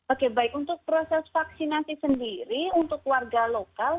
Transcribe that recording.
oke baik untuk proses vaksinasi sendiri untuk warga lokal